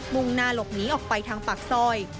มุ่งหน้าหลบหนีออกไปทางปากซอย